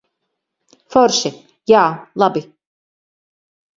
Forši. Jā, labi.